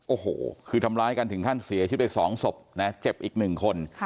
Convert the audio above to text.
โอ้โหคือทำร้ายกันถึงขั้นเสียชีวิตไป๒ศพนะเจ็บอีก๑คน